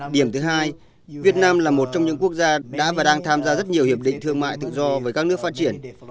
điểm thứ hai việt nam là một trong những quốc gia đã đạt được mức tăng trưởng kinh tế sấp xỉ bảy